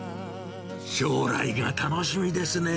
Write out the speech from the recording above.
将来が楽しみですね。